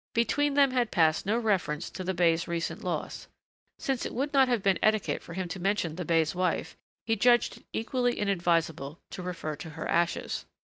Between them had passed no reference to the bey's recent loss. Since it would not have been etiquette for him to mention the bey's wife, he judged it equally inadvisable to refer to her ashes.